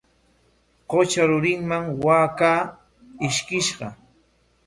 Qutra rurinman waakaa ishkishqa.